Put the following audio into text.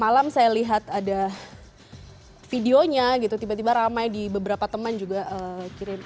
malam saya lihat ada videonya gitu tiba tiba ramai di beberapa teman juga kirim